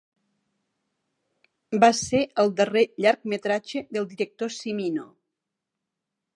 Va ser el darrer llargmetratge del director Cimino.